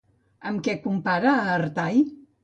Amb què compara a Artai?